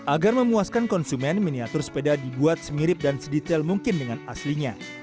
agar memuaskan konsumen miniatur sepeda dibuat semirip dan sedetail mungkin dengan aslinya